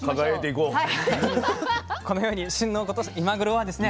このように旬の今頃はですね